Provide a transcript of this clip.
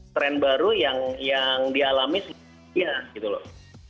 trend baru yang dialami sih ya gitu loh